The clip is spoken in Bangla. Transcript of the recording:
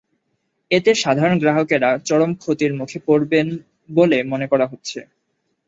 এতে সাধারণ গ্রাহকেরা চরম ক্ষতির মুখে পড়বেন বলে মনে করা হচ্ছে।